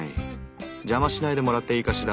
邪魔しないでもらっていいかしら？